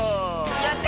やった！